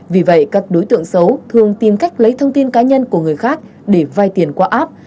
vì vậy các đối tượng xấu thường tìm cách lấy thông tin cá nhân của người khác để vai tiền qua app